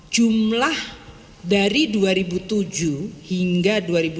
jumlah dari dua ribu tujuh hingga dua ribu dua puluh